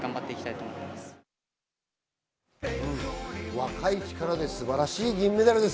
若い力で素晴らしい銀メダルです。